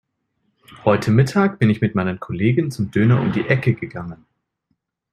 Heute Mittag bin ich mit meinen Kollegen zum Döner um die Ecke gegangen.